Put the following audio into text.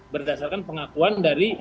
berdasarkan pengakuan dari